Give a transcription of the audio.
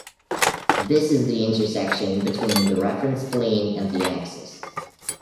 This is the intersection between the reference plane and the axis.